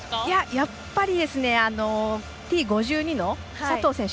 やっぱりＴ５２の佐藤選手。